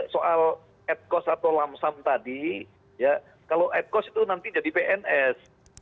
soal at cost atau lamsam tadi ya kalau ad cost itu nanti jadi pns